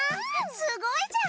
すごいじゃん！